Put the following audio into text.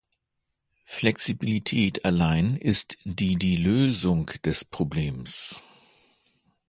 Flexibilität allein ist die die Lösung des Problems.